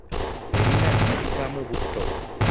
Ebinazi bivaamu butto.